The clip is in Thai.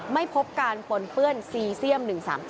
ไม่พบการปนเปื้อนซีเซียม๑๓๗